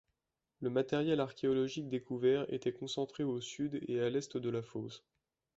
Le matériel archéologique découvert était concentré au sud et à l'est de la fosse.